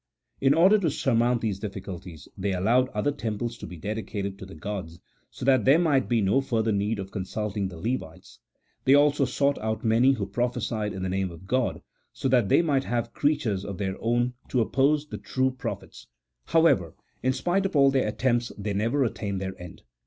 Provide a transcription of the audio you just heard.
In order to surmount these difficulties, they allowed other temples to be dedicated to the gods, so that there might be no further need of consulting the Levites ; they also sought out many who prophesied in the name of God, so that they might have creatures of their own to oppose to the true 236 A THEOLOGICO POLITICAL TREATISE. [CHAP. XVII. prophets. However, in spite of all their attempts, they never attained their end.